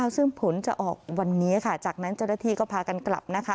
ซึ่งผลจะออกวันนี้ค่ะจากนั้นเจ้าหน้าที่ก็พากันกลับนะคะ